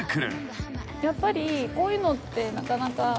やっぱりこういうのってなかなか。